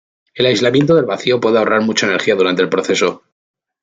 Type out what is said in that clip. El aislamiento del vacío puede ahorrar mucha energía durante el proceso.